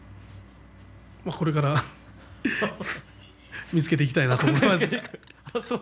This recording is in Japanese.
これから見つけていきたいと思います。